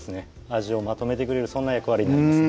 味をまとめてくれるそんな役割になります